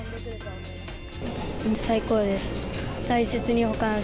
最高です。